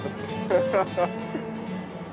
ハハハッ。